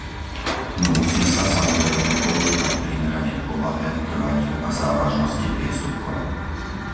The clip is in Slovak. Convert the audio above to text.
No musí sa, samozrejme, používať primerane k povahe, trvaniu a závažnosti priestupkov.